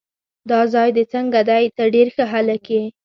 دا ځای دې څنګه دی؟ ته ډېر ښه هلک یې.